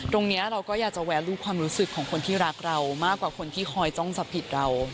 เราก็อยากจะแวะรูปความรู้สึกของคนที่รักเรามากกว่าคนที่คอยจ้องจับผิดเรา